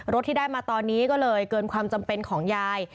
ที่ได้มาตอนนี้ก็เลยเกินความจำเป็นของยาย